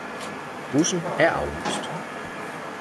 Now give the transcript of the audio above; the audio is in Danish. Bussen er aflyst